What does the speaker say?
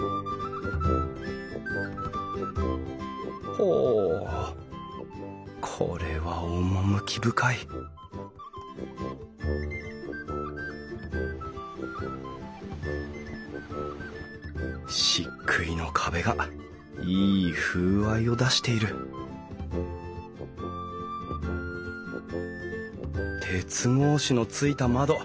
ほうこれは趣深い漆喰の壁がいい風合いを出している鉄格子のついた窓。